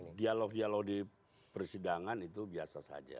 kalau dialog dialog di persidangan itu biasa saja